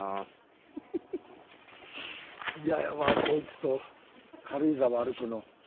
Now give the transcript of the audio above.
イヤやわこいつと軽井沢歩くの。